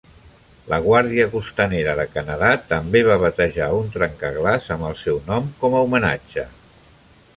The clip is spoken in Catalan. La Guàrdia Costanera de Canadà també va batejar un trencaglaç amb el seu nom com a homenatge.